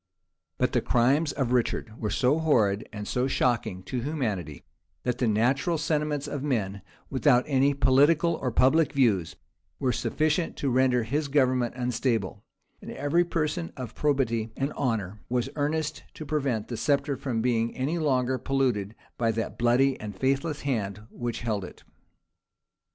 But the crimes of Richard were so horrid and so shocking to humanity, that the natural sentiments of men, without any political or public views, were sufficient to render his government unstable; and every person of probity and honor was earnest to prevent the sceptre from being any longer polluted by that bloody and faithless hand which held it.